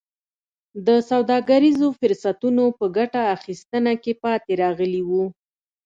د سوداګریزو فرصتونو په ګټه اخیستنه کې پاتې راغلي وو.